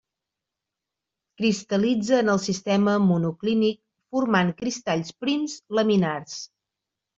Cristal·litza en el sistema monoclínic, formant cristalls prims, laminars.